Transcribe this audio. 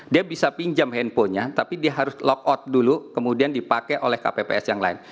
dia bisa pinjam handphonenya tapi dia harus lok out dulu kemudian dipakai oleh kpps yang lain